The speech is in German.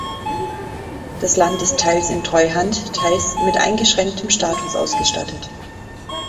Das Land ist teils in Treuhand, teils mit eingeschränktem Status ausgestattet.